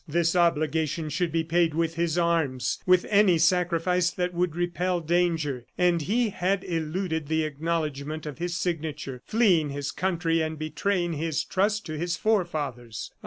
This obligation should be paid with his arms, with any sacrifice that would repel danger ... and he had eluded the acknowledgment of his signature, fleeing his country and betraying his trust to his forefathers!